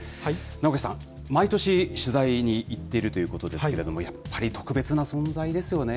名越さん、毎年取材に行っているということですけれども、やっぱり特別な存在ですよね。